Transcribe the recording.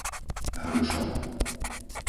Hrušovo